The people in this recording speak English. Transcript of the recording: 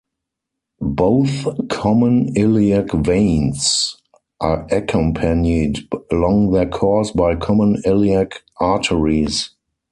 Both common iliac veins are accompanied along their course by common iliac arteries.